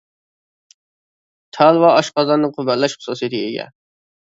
تال ۋە ئاشقازاننى قۇۋۋەتلەش خۇسۇسىيىتىگە ئىگە.